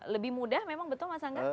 lebih mudah memang betul mas angga